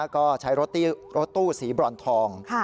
ก็ใช้รถตู้สีบรอนทอง